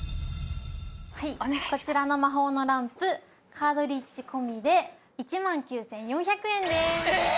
こちらの魔法のランプカートリッジ込みで１万９４００円です。